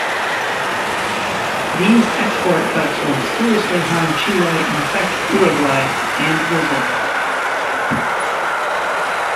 These export cuts would seriously harm Chile and affect Uruguay and Brazil.